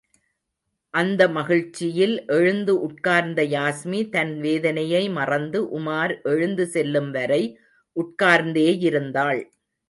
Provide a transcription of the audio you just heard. அந்த மகிழ்ச்சியில் எழுந்து உட்கார்ந்த யாஸ்மி தன் வேதனையை மறந்து உமார் எழுந்து செல்லும் வரை உட்கார்ந்தேயிருந்தாள்.